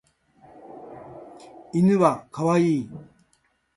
犬は可愛い。